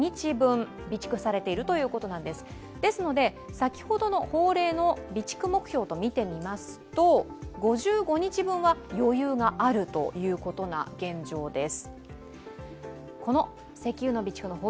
先ほどの法令の備蓄目標とみてみますと５５日分は余裕があるという現状です。